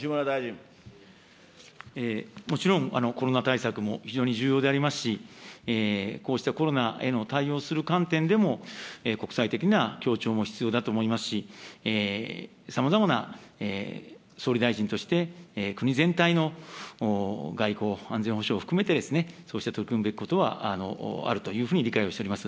もちろんコロナ対策も非常に重要でありますし、こうしたコロナへの対応する観点でも、国際的な協調も必要だと思いますし、さまざまな総理大臣として、国全体の外交・安全保障を含めて、そうした取り組むべきことはあるというふうに理解をしております。